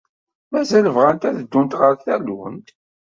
Mazal bɣant ad ddunt ɣer tallunt?